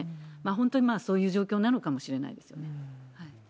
本当にそういう状況なのかもしれないですね。